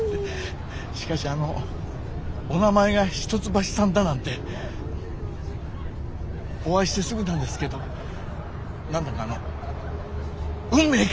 しかしあのお名前が一橋さんだなんてお会いしてすぐなんですけど何だかあの運命感じます。